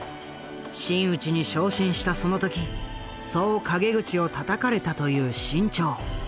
真打ちに昇進したその時そう陰口をたたかれたという志ん朝。